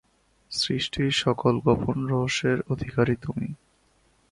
সৃষ্টির সকল গোপন রহস্যের অধিকারী তুমি।